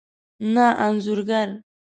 نه انځور ګر